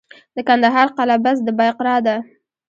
د کندهار قلعه بست د بایقرا ده